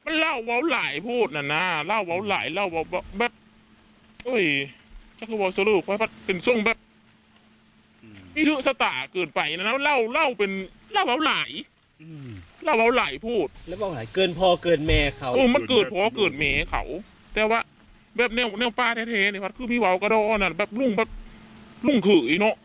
แบบเนี่ยว่าป้าแท้เนี่ยว่าคือพี่เว้าก็ด้วยนะแบบรุ่งแบบรุ่งคือเนอะ